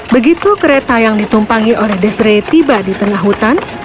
begitu kereta yang ditumpangi oleh desre tiba di tengah hutan